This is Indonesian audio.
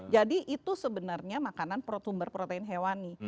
jadi itu sebenarnya makanan sumber protein hewani